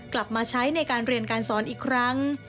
กลับมาใช้ในการเรียนการสอนอีกครั้ง